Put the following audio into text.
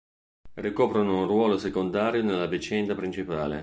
Ricoprono un ruolo secondario nella vicenda principale.